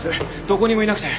どこにもいなくて。